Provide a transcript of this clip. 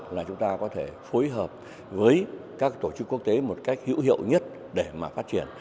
là chúng ta có thể phối hợp với các tổ chức quốc tế một cách hữu hiệu nhất để mà phát triển